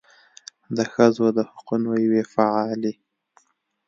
د ښځو د حقونو یوې فعالې